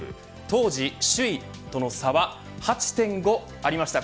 当時、首位との差は８．５ありました。